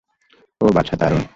ওহ, বাছা, দারুন।